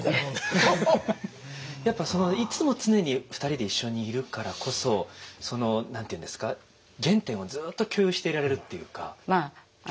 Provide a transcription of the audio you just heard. やっぱりいつも常に２人で一緒にいるからこそその何て言うんですか原点をずっと共有していられるというか。